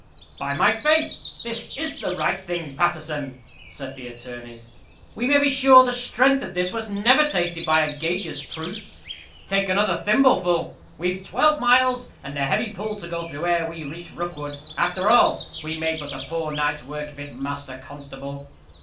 "By my faith! this is the right thing, Paterson," said the attorney. "We may be sure the strength of this was never tested by a gauger's proof. Take another thimbleful. We've twelve miles and a heavy pull to go through ere we reach Rookwood. After all, we made but a poor night's work of it, Master Constable.